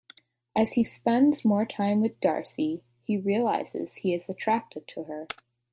As he spends more time with Darcy, he realizes he is attracted to her.